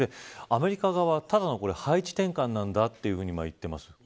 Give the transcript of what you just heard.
アメリカ側はただの配置転換などと言っています。